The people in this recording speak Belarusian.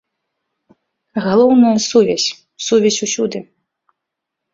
Галоўнае, сувязь, сувязь усюды.